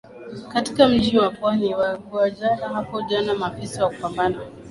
katika mji wa pwani wa GuajuraHapo jana maafisa wa kupambana